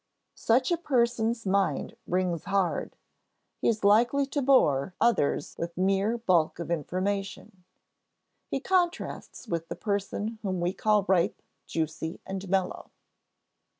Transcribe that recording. Such a person's mind rings hard; he is likely to bore others with mere bulk of information. He contrasts with the person whom we call ripe, juicy, and mellow.